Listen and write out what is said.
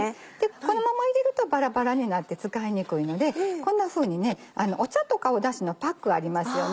このまま入れるとバラバラになって使いにくいのでこんなふうにお茶とかだしのパックありますよね。